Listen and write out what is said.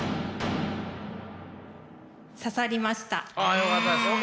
よかったです。